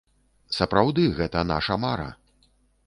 Сапраўды гэта наша мара!